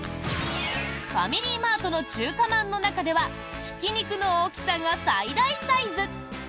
ファミリーマートの中華まんの中ではひき肉の大きさが最大サイズ！